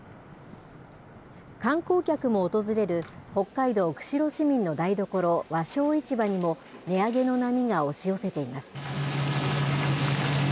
観光客も訪れる、北海道釧路市民の台所、和商市場にも、値上げの波が押し寄せています。